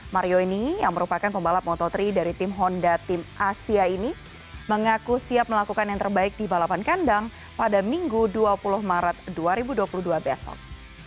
mario ini yang merupakan pembalap moto tiga dari tim honda tim asia ini mengaku siap melakukan yang terbaik di balapan kandang pada minggu dua puluh maret dua ribu dua puluh dua besok